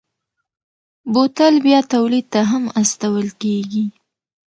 بوتل بیا تولید ته هم استول کېږي.